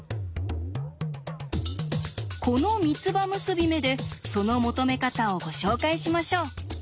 この三つ葉結び目でその求め方をご紹介しましょう。